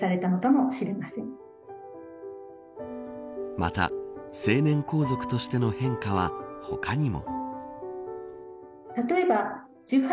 また、成年皇族としての変化は他にも。